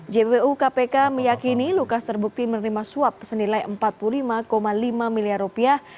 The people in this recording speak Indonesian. jpu kpk meyakini lukas terbukti menerima suap senilai empat puluh lima lima miliar rupiah